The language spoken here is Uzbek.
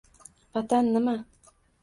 Vatan nima?